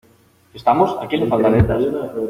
¿ estamos? ¿ a quien le faltan letras ?